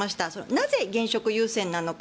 なぜ現職優先なのか。